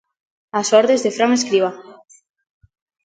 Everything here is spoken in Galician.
Ás ordes de Fran Escribá.